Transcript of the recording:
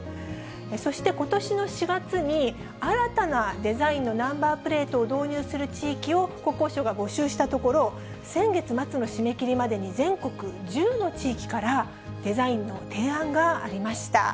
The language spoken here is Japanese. そしてことしの４月に、新たなデザインのナンバープレートを導入する地域を国交省が募集したところ、先月末の締め切りまでに全国１０の地域からデザインの提案がありました。